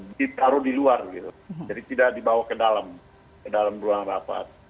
ditaruh di luar gitu jadi tidak dibawa ke dalam ruang rapat